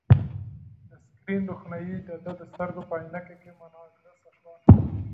د سکرین روښنايي د ده د سترګو په عینکې کې منعکسه شوه.